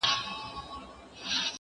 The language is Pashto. زه اوس مېوې راټولوم؟